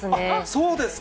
そうですか？